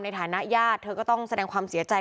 ในฐานะญาติเธอก็ต้องแสดงความเสียใจ